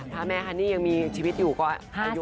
ถ้าแม่ฮันนี่ยังมีชีวิตอยู่ก็อายุ